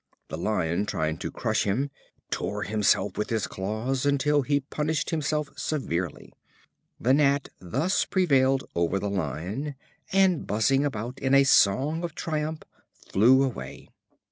The Lion, trying to crush him, tore himself with his claws, until he punished himself severely. The Gnat thus prevailed over the Lion, and buzzing about in a song of triumph, flew away.